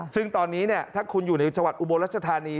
ซึ่งตอนนี้ถ้าคุณอยู่ในจังหวัดอุบลรัชธานี